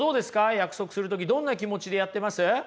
約束する時どんな気持ちでやってます？